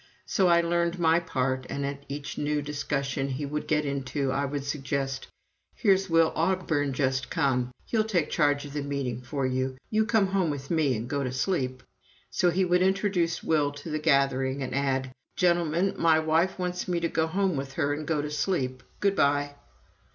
So I learned my part, and at each new discussion he would get into, I would suggest: "Here's Will Ogburn just come he'll take charge of the meeting for you. You come home with me and go to sleep." So he would introduce Will to the gathering, and add: "Gentlemen, my wife wants me to go home with her and go to sleep good bye."